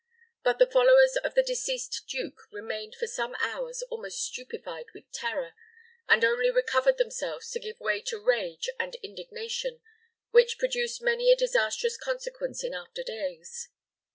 But the followers of the deceased duke remained for some hours almost stupefied with terror, and only recovered themselves to give way to rage and indignation, which produced many a disastrous consequence in after days.